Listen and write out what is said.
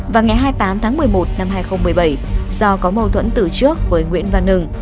vào ngày hai mươi tám tháng một mươi một năm hai nghìn một mươi bảy do có mâu thuẫn từ trước với nguyễn văn nưng